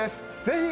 ぜひ。